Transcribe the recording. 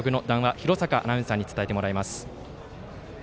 広坂アナウンサーに伝えてもらいます。